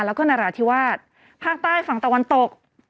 แล้วก็นราธิวาสภาคใต้ฝั่งตะวันตก